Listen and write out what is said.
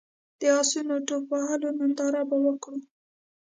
د اسونو ټوپ وهلو ننداره به وکړو.